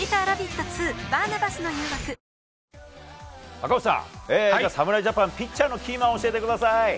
赤星さん、侍ジャパンのピッチャーのキーマンを教えてください。